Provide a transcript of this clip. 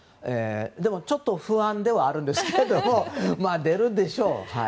でも、ちょっと不安ではあるんですけども出るでしょう。